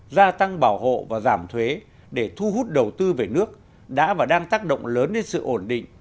gia tăng bảo hộ và giảm thuế để thu hút đầu tư về nước đã và đang tác động lớn đến sự ổn định